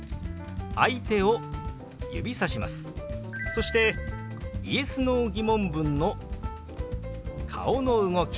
そしてＹｅｓ／Ｎｏー疑問文の顔の動き